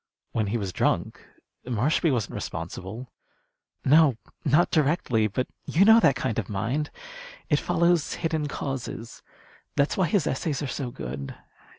"When he was drunk. Marshby wasn't responsible." "No, not directly. But you know that kind of mind. It follows hidden causes. That's why his essays are so good.